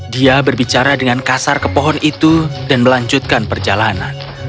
dia berbicara dengan kasar ke pohon itu dan melanjutkan perjalanan